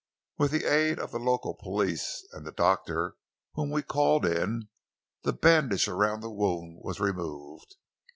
With the aid of the local police and the doctor whom we called in, the bandage around the wound was removed.